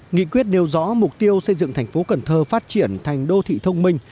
nghị quyết nêu rõ mục tiêu xây dựng thành phố cần thơ phát triển thành đô thị thông minh